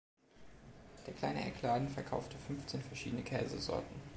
Der kleine Eckladen verkaufte fünfzehn verschiedene Käsesorten.